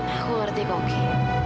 aku ngerti koki